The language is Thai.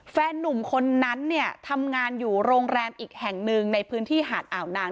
นุ่มคนนั้นเนี่ยทำงานอยู่โรงแรมอีกแห่งหนึ่งในพื้นที่หาดอ่าวนาง